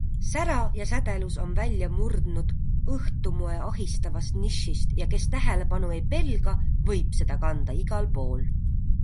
Sära ja sädelus on välja murdnud õhtumoe ahistavast nišist ja kes tähelepanu ei pelga, võib seda kanda igal pool.